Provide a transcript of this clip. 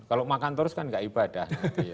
kalau makan terus kan nggak ibadah